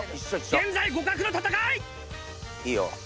現在互角の戦い！